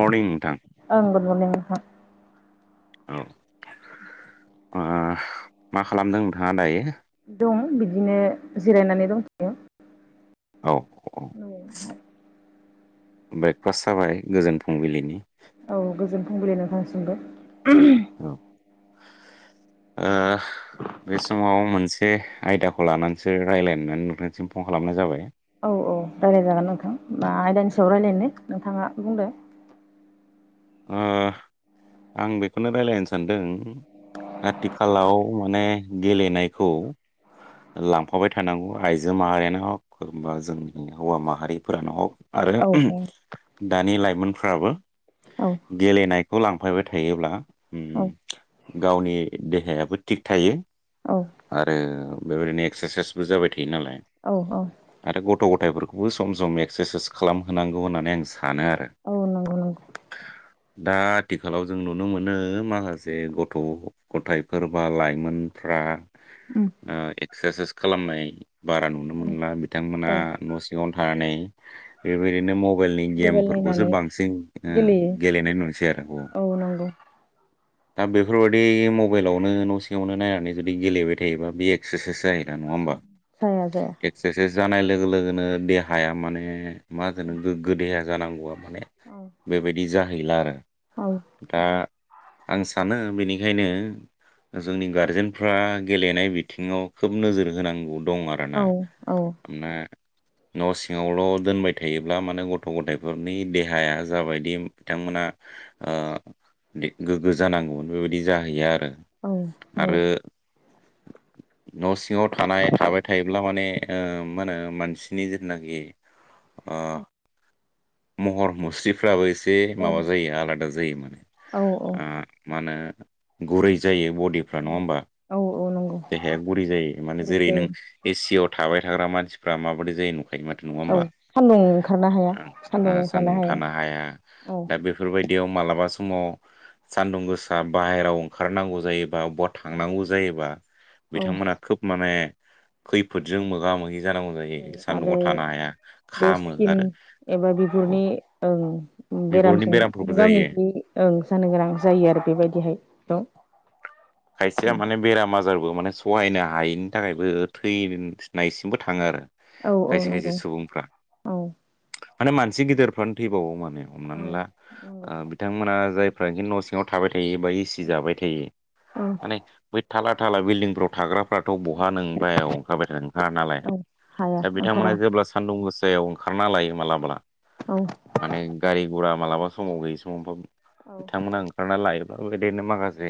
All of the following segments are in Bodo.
मरनिं नोंथां ओं गुर मरनिं नोंथां। औ आ मा खालामदों नोंथाङा दायो? दं बिदिनो जिरायनानै दंथय'। औ ओरैहाय ब्रेकफास जाबाय गोजोन फुंबिलिनि? औ गोजोन फुंबिलि नोंथांनिसिमबो [unintelligible] औ ओ बे समाव मोनसे आयदाखौ लानानसो रायलायनो होन्नानै नोंथांनिसिम फन खालामनाय जाबाय। औ औ रायज्लाय जागोन नोंथां। मा आयदानि सायाव रायलायनो नोंथाङा बुंदो। ओ आं बेखौनो राय्लायनो सानदों। आथिखालाव माने गेलेनायखौ लांफाबाय थानांगौ आइजो माहारियानो हक एबा जोंनि हौवा माहारिफोरानो हक। आरो औ औ दानि लाइमोनफ्राबो औ गेलेनायखौ लां फायबाय थायोब्ला औ उम गावनि देहायाबो थिग थायो। आरो बेबायदिनो एक्सारसाइसबो जाबाय थायो नालाय औ औ आरो गथ' थायफोरखौबो सम सम एक्सारसाइस खालामहोनांगौ होननानै आं सानो आरो। औ नंगौ नंगौ दा आथिखालाव जों नुनो मोनो माखासे गथ' गथाइफोर बा लाइमोनफ्रा उम ओ एक्सारसाइस खालामनाय बारा नुनो उम मोनला। बिथांमोना औ न' सिङाव थानानै बेबायदिनो मबाइलनि मबाइल गेमफोरखौसो नायनानै बांसिन ओ गेलेयो गेलेनाय नुनसै आरो ग' औ नंगौ दा बेफोरबायाददि मबाइलावनो न' सिङावनो नायनानै जुदि गेलेबाय थायोबा बे एक्सारसाइस जाया नङा होमबा जाया जाया एक्सारसाइस जानाय लोगो लोगोनो देहाया माने मा होनो गोग्गो देहा गोग्गो जानांगौआ माने औ बेबायदि जाहैला आरो औ दा आं सानो बिनिखायनो जोंनि गारजेनफ्रा गेलेनाय बिथिङाव खोब नोजोर होनांगौ। दं आरोना औ औ मा न' सिङावल' दोनबाय थायोब्ला माने गथ' गथायफोरनि देहाया जाबायदि बिथांमोना ओ गोग्गो जानांगौमोन बेबायदि जाहैया आरो। औ औ आरो [inaudible] न' सिङाव थानाय थाबाय थायोब्ला माने ओ मा होनो मानसिनि जिनाखि औ महर मुस्रि फ्राबो एसे औ माबा जायो आलादा जायो माने औ औ मा होनो? गुरै जायो। बडिफ्रा नङा हबा औ औ नंगौ देहाया गुरै जायो माने गुरै जेरै नों जायो एसि आव थाबाय थाग्रा मानसिफ्रा माबायदि जायो? नुखायो माथो नङा औ होमबा सान्दुं ओंखारनो हाया सान्दुं ओ ओंखारानो हाया। थानो हाया औ दा बेफोरबायदि बिदियाव मालाबा समाव सान्दुं गोसा बाहेराव ओंखारनांगौ जायो। बा बबेबा थांनांगौ जायोबा औ बिथांमोना खोब माने खैफोदजों मोगा मोगि जानांगौ जायो आरो सान्दुंयाव थानो हाया खामो आरो। औ बे ओ बिगुरनि बेरामजों बेरामफोरबो मोगा जायो मोगि जानो गोनां जायो आरो बेबायदिहाय औ खायसेया माने बेराम आजारबो माने सोम सहायनो हायैनि थाखायबो थैनायसिमबो थाङो आरो। औ खायसे खायसे नंगौ सुबुंफ्रा औ माने मानसि गिदिरफ्रानो थैबावो माने औ हमनानै ला ओ बिथांमोना जायफ्रा इदिननो न' सिङाव थाबाय थायो। बा एसि जाबाय थायो माने बै थाला थाला बिलदिंफ्राव थाग्रा फ्राथ' बहा नों बाहेराव ओंखारबाय थानो ओंखारा नालाय औ हाया दा बिथांमोना ओंखारा जेब्ला सानदुं गोसा सायाव ओंखारना लायो मालाबा औ माने गारि गुरा मालाबा समाव गैयि समाव [unintelligible] खोनानो बिथांमोना ओंखारना लायो। दा बेबायदिनो माखासे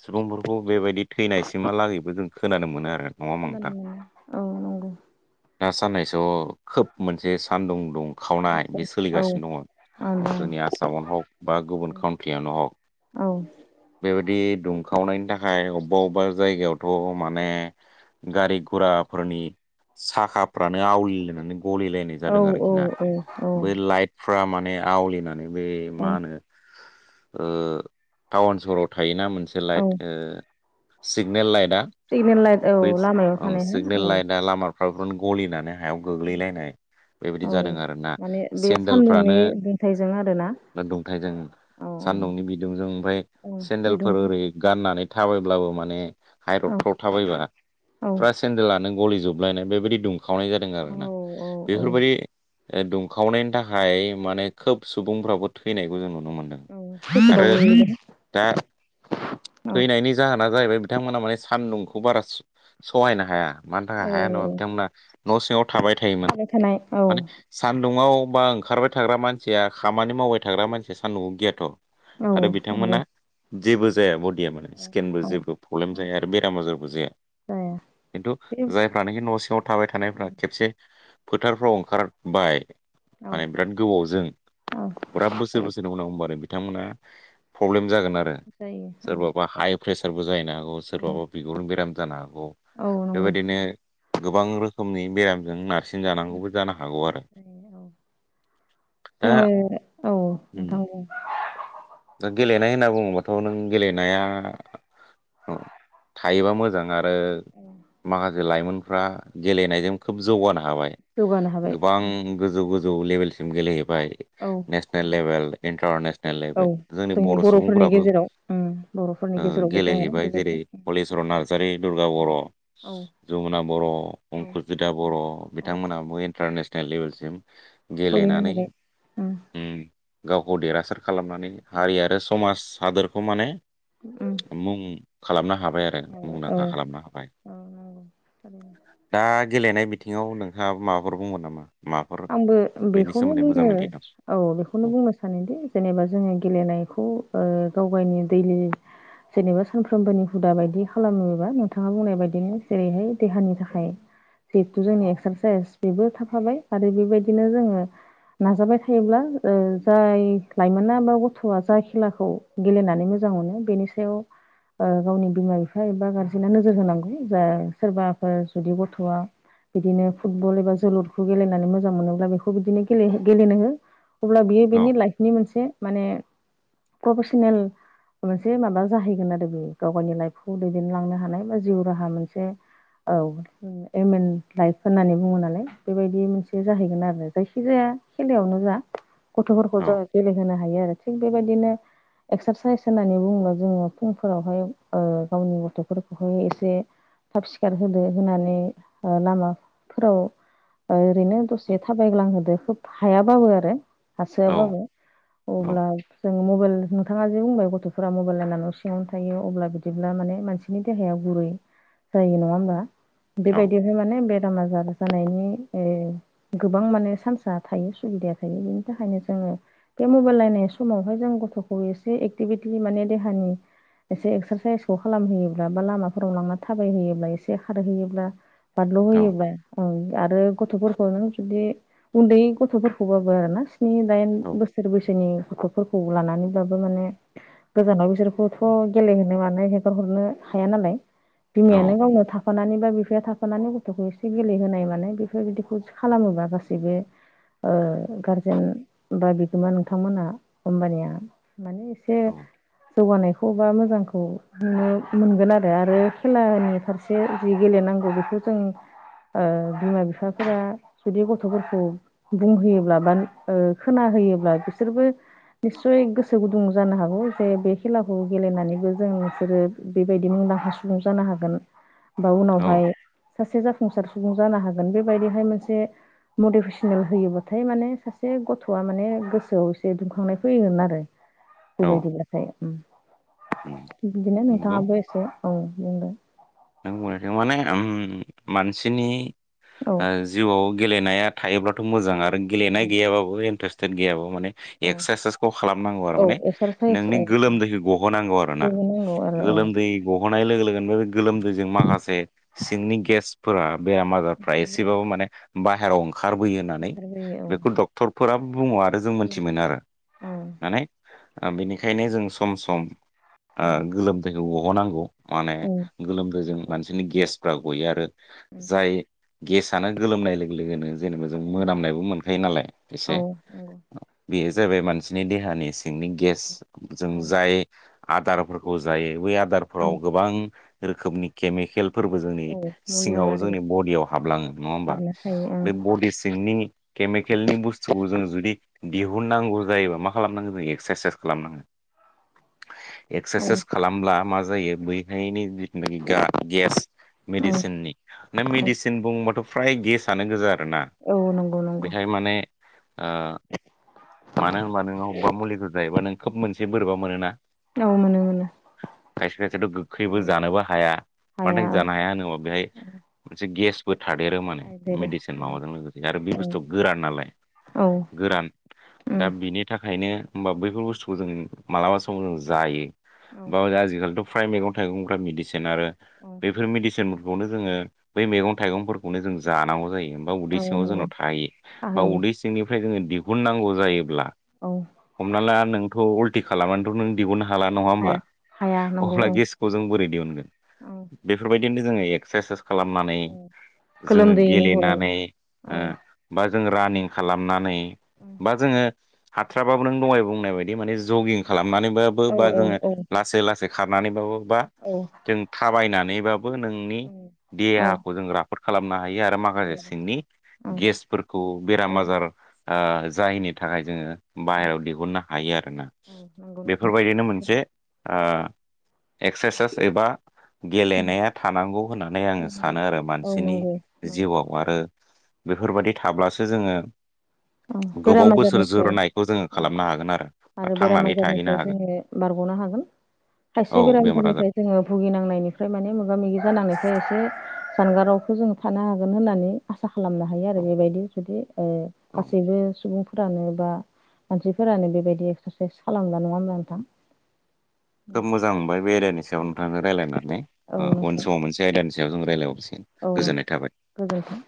सुबुंफोरखौ बेबायदि थैनायसिमहालागैबो जों खोनानो मोनो आरो। नङा होमबा नोंथां? [unintelligible] औ नंगौ दा साननैसो खोब मोनसे सानदुं दुं खावनाय गोसो बे औ सोलिगासिनो दङ। औ जोंनि आसामावनो हक बा गुबुन काउट्रियावनो हक बेबायदि दुं खावनायनि थाखाय अबबा अबबा जायगायावथ' माने गारि गुराफोरनि साखाफ्रानो आवलिलायनानै गलिलायनाय औ जादों आरोखि ना औ औ बै लाइट फ्रा माने आवलिनानै बे मा होनो? ओ टाउन सहराव थायोना मोनसे औ light signal light signal light औ बै लामायाव ओं थानाय सिगनेल हो लाइटा लामाफ्रावबो गलिनानै हायाव औ गोग्लैलायनाय बेबायदि औ जादों आरो ना सेन्देलफ्रानो फिथाइजों आरो ना। दा दुंथाजों सान्दुंनि बिदुंजों ओमफ्राय औ बिदुं सेन्देलफोर ओरै गान नानै थाबायब्लाबो माने औ आदबफ्राव थाबायबा औ फुरा सेनदेलानो गलिजोब बलायनाय बेबायदि दुंखावनाय जादों औ आरोना औ औ बेफोरबायदि दुंखावनायनि थाखाय माने खोब सुबुंफ्राबो थैनायखौ जों नुनो नो मोनदों औ आरो खैफोदाव गोग्लैदों दा औ थैनायनि जाहोना जाहैबाय बिथांमोना माने सान्दुंखौ बारा सहायनो हाया। मानि थाखाय हाया होनबा औ बिथांमोना न' सिङाव थाबाय थायोमोन थाबाय थानाय औ माने सान दुं'आव बा ओंखारबाय थाग्रा मानसिया खामानि मावबाय थाग्रा मानसिया सान्दुंखौ गियाथ' औ आरो बिथांमोना खोनादों जेबो जाया बडिया माने स्किनबो जेबो प्रब्लेम औ जाया आरो बेराम आजारबो जाया जाया खिन्थु बे जायफ्रानोखि न' सिङाव थाबाय थानायफ्रा खेबसे फोथारफ्राव ओंखारबाय औ औ माने बिराद गोबावजों बिराद बोसोर बोसोरनि उनाव होनबानो बिथांमोना प्रब्लेम जागोन आरो जायो औ सोरबाबा हाइ प्रेसारबो जाहैनाय नो हागौ औ सोरबाबा बिगुरनि बेराम जानो हागौ औ नंगौ बेबायदिनो गोबां रोखोमनि बेरामजों नारसिन जांगौबो जानो हागौ आरो जायो औ दा जोङो औ उम नोंथां दा गेलेनाय होनना बुङोबाथ' नों गेलेनाया थायोबा मोजां आरो माखासे लाइमोनफ्रा गेलेनायजों खोब जौगानो हाबाय जौगानो हाबाय गोबां गोजौ गोजौ गोजौ लेभेलसिम गेलेहैबाय औ नेसनेल लेभेल इन्टारनेसनेल औ लेभेल जोंनि बर' बर'फोरनि सुबुंफ्राबो गेजेराव उम बर'फोरनि गेजेरावबो दङ गेलेहैबाय जेरै बेबायदि हलिचवरन नार्जारि दुर्गा औ बर' औ जमुना बर' औ अंकुजिथा बर' औ बिथांमोना बय इन्टारनेसनेल लेभेलसिम सहैनो गेलेनानै हाबाय उम गावखौ देरहासार खालामनानै हारि आरो समाज हादोरखौ माने उम मुं खालामनो हाबाय औ मुंदांखा खालामनो हाबाय नंगौ थारैनो दा गेलेनाय बिथिङाव नोंथाङाबो माबाफोर बुंगोन नामा? माबाफोर आंबो बेनि बेखौनो सोमोन्दै मोजां बुङो मिथिगौ औ बेखौनो औ बुंनो सानोदि जेनेबा जोङो गेलेनाय खौ गाव गावनि दैलि जेनेबा सानफ्रोमबोनि हुदा बायदि खालामोबा नोंथाङा बुंनाय बायदिनो जेरैहाय देहानि थाखाय जिहेथु जोंनि एक्सारसाइस बेबो थाफाबाय आरो बेबायदिनो जोङो नाजाबाय थायोब्ला ओ जाय लाइमोना बा गथ'वा जा खेलाखौ गेलेनानै मोजां मोजां मोनो बेनि सायाव ओ गावनि बिमा बिफा एबा गारजेना नोजोर होनांगौ जा सोरबाफोर जुदि गथ'वा बिदिनो फुटबल एबा जोलुरखौ गेलेनानै मोजां मोनोब्ला बेखौ बिदिनो गेले गेलेनो हो अब्ला बियो औ बेनि लाइफनि मोनसे माने प्रफेसनेल मोनसे माबा जाहैगोन आरो बे गाव गावनि लाइफखौ दैदेनलांनो हानाय बा जिउ राहा मोनसे औ एम एन लाइफ होननानै बुङो नालाय बेबायदि मोनसे जाहैगोन आरो जायखिजाया खेलायावनो जा गथ'फोरखौ औ जों गेलेहोनो हायो आरो थिग बेबायदिनो एक्सारसाइस होननानै बुङोबा जोङो फुंफोरावहाय ओ गावनि गथ'फोरखौहाय एसे थाब सिखार होदो होनानै ओ लामाफोराव ओरैनो दसे थाबायग्लांहोदो खोब हायाबाबो आरो औ हासोआबाबो औ अब्ला जों मबाइल नोंथाङा जे बुंबाय गथ'फोरा मबाइल नायनानै सिङावनो थायो अब्ला बिदिब्ला माने मानसिनि देहायाव गुरै जायो नङा होमबा औ बेबायदियावहाय माने बेराम आजार जानायनि गोबां माने चान्स थायो सुबिदाया थायो बिनि थाखायनो जोङो बे मबाइल नायनाय समावहाय जों गथ'खौ एसे एक्टिभिटलि माने देहानि एसे एक्सारसाइसखौ खालामहोयोब्ला बा लामाफोराव लांनानै थाबायहैयोब्ला एसे खारहैयोब्ला बारलौ औ होयोब्ला औ आरो नों जुदि उन्दै गथ'फोरखौबाबो आरो ना स्नि दाइन औ बोसोर बैसो सोनि गथ'फोरखौ लानानैब्लाबो माने गोजानाव बिसोरखौथ' गेलेहोनो मानो हेंगारहरनो हाया नालाय बिमायानो गावनो थाफानानै बा बिफाया थाफानानै गथ'खौ एसे गेलेहोनाय माने बेफोरबायदिखौ खालामोबा गासैबो ओ गारजेन बा नोंथांमोना होमबानिया माने एसे औ जौगानाय। खौबा मोजांखौ नुनो मोनगोन आरो आरो खेलानि फारसे जि गेलेनांगौ बेखौ। ओ जोंना बि बिफाफोरा जुदि गथ'फोरखौ बुंहोयोब्ला बा खोना होयोब्ला बिसोरबो। निस्सय गोसो गुदुं जानो हागौ जे बे खेलाखौ गेलेनानैबो जों नोंसोरो बेबायदि मुं। दांखा सुबुं जानो हागोन बा औ उनावहाय सासे जाफुंसार सुबुं जानो हागोन हागोन बेबायदिहाय मोनसे मटिभेसनेल होयोबाथाय माने सासे गथ'वा माने गोसोआव एसे दुंखांनाय फैगोन आरो। औ बेबायदिब्लाथाय बिदिनो नंगौ नोंथाङाबो एसे औ। [unintelligible] नों बुंनाय थों माने मानसिनि औ ओ जिउआव। गेलेनाया थायोब्लाथ' मोजां आरो गेलेनाय गैयाबाबो इन्ट्रेस्टेद गैयाब्ला माने। औ एकसारसाइसखौ खालामनांगौ आरो औ माने एक्सारसाइस नोंनि औ गोलोमदैखौ गहोनांगौ आरोना। बेबो नांगौ आरो औ गोलोमदै गहोनाय लोगो लोगोनो बे गोलोमदैजों माखासे सिंनि गेसफोरा। बेराम आजारफ्रा एसेबाबो माने बाहेरायाव ओंखार बोयो होननानै ओंखारबोयो बेखौ डक्टरफोरा बुङो आरो जों मोन्थि मोनो ओंखारबोयो आरो। माने बेनिखायनो जों सम सम गोलोमदैखौ बहननांगौ औ। गोलोमदै जों मानसिनि गेसफ्रा गयो आरो जाय गेसानो गोलोमनाय लोगो लोगोनो। जेनेबा जों मोनामनायबो मोनखायो नालाय औ एसे बे जाबाय मानसिनि देहानि सिंनि गेस जों जाय आदारफोरखौ जायो बे। आदारफ्राव गोबां रोखोमनि केमिकेल। फोरबो जोंनि औ औ नंगौ औ मुलि सिङाव आरि जोंनि बडियाव हाबलाङो नङा होमबा हाबना थायो ओं बे बडि सिंनि। केमिकेलनि बुस्थुखौ जों जुदि दिहुननांगौ जायोबा मा खालामनांगोन जों एक्सारसाइस खालामनांगोन। औ एक्सारसाइस खालामब्ला मा जायो बै हायनायनि। जिनाखि गा गेस औ मेडिसिननि ना औ मेडिसिन बुंबाथ' फ्राय गेसानो गोजा आरो। आरोना औ नंगौ नंगौ बैहाय माने। आ मानो होनबब्ला नोङो बबेबा मुलिखौ जायोबा नों खोब मोनसे बोरैबा मोनोना औ मोनो मोनो खायसे खायसेथ' गोखैबो औ जानोबो हा हाया। मानो थाखाय जानो हाया होनोबा बेहाय मोनसे गेसबो थादेरो माने देरो मेडिसिन औ माबाजों लोगोसे आरो बे बुस्थुवा गोरान नालाय। औ गोरान दा उम बिनि थाखायनो। होमबा बैफोर बुस्थुखौ जों मालाबा समाव जों जायो औ बा आजिखालिथ' फ्राय मैगं थाइगंफ्रा मेडिसिन आरो औ बेफोर मेडिसिन खौनो जोङो बै मैगं थाइगंफोरखौनो जों जानांगौ जायो। बा उदै औ सिङाव नंगौ जोंनाव थायो बा खाहैयो उदै सिंनिफ्राय जोङो दिहुननांगौ जायो ब्ला औ हमना ला नोंथ' उल्टि खालामनानैथ' नों दिहुननो हा हाला नङा हामबा हाया हाया नंगौ अब्ला औ गेखौ जों बोरै दिहुनगोन? औ बेफोरबाय बिदिनो जों एक्सारसाइस खालामनानै औ जो गोलोमदै महराव गेलेनानै ओ औ बा जों रानिं खालामनानै बा जोङो हाथ्राबाबो नों दहाय बुंनाय बायदि माने जगिं खालामनानैबाबो औ बा जोङो औ लासै लासै खारनानैबाबो बा औ। जों थाबायनानैबाबो औ नोंनि औ देहाखौ जों राफोद खालामना हायो आरो माखासे सिंनि औ गेसफोरखौ बेराम आजार। आ जायिनि थाखाय जोङो। बाहेरायाव दिहुननो हायो आरोना औ नंगौ नंगौ बेफोर बायदिनो मोनसे आ। एक्सारसाइस एबा गेलेनाया थानांगौ होननानै आङो थानांगौ सानो आरो औ मानसिनि नंगौ नंगौ जिउआव आरो बेफोर बादि थाब्लासो जोङो औ गोबाव बेराम बोसोर आजारनिफ्राय जोरनायखौ जोङो औ खालामनो हागोन आरो बेराम थांनानै थाहैनो आजारनिफ्राय हागोन जोङो बारग'नो हा हागोन औ खायसे बेरामनि बेमार आजार थाखायफोरनिफ्राय जोङो भुगिनांनायनिफ्राय माने मोगा मोगि जानांनिफ्राय एसे जानगारावखौ जोङो थानो हागोन होननानै आसा खालामनो हायो आरो औ बेबायदि जुदि ओ औ गासैबो सुबुं फोरानो बा मानसिफोरानो बेबायदि एक्सारसाइस खालामना नङा होमब्ला नोंथां। खोब मोजां मोनबाय बे आयदानि सायाव नोंथांजों रायज्लायनानै औ ओ उन नोंथां समाव मोनसे आयदानि सायाव जों रायलायबावसै। औ नोंथां गोजोनथों।